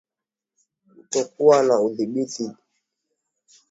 Kutokuwa na udhibiti thabiti wa vijidudu vya magonjwa husababisha ugonjwa wa ukurutu